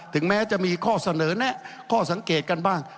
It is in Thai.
แม้จะมีข้อเสนอแนะข้อสังเกตกันบ้าง